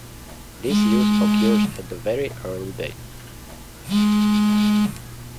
This use occurs at a very early date.